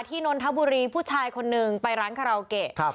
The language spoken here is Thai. ที่นนทบุรีผู้ชายคนนึงไปร้านกะเราเกะ